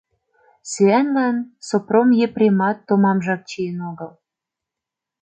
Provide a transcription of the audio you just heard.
Сӱанлан Сопром Епремат томамжак чиен огыл.